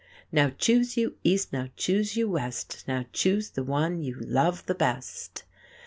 "Now choose you East, now choose you West, Now choose the one you love the best!"